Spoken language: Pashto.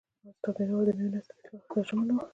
استاد بینوا د نوي نسل اصلاح ته ژمن و.